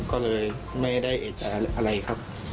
ก็เลยไม่ได้เอกใจอะไรครับ